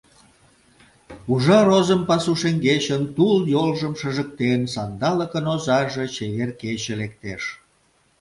Ужар озым пасу шеҥгечын, тул йолжым шыжыктен, сандалыкын озаже — чевер кече — лектеш.